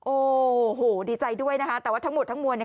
โอ้โหดีใจด้วยนะคะแต่ว่าทั้งหมดทั้งมวลเนี่ย